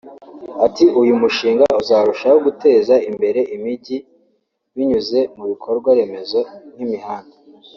Ati ”Uyu mushinga uzarushaho guteza imbere imijyi binyuze mu bikorwa remezo nk’imihanda